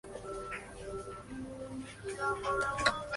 Se superpone un entablamento saliente coronado de tracería gótica.